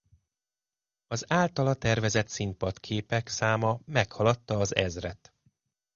Az általa tervezett színpadképek száma meghaladta az ezret.